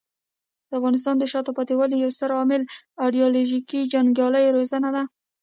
د افغانستان د شاته پاتې والي یو ستر عامل ایډیالوژیک جنګیالیو روزنه ده.